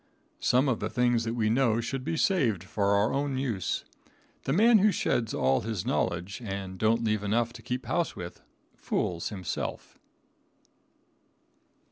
Some of the things that we know should be saved for our own use. The man who sheds all his knowledge, and don't leave enough to keep house with, fools himself.